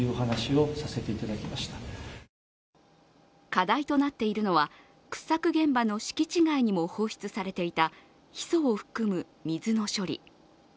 課題となっているのは掘削現場の敷地外にも放出されていた、ヒ素を含む水の処理。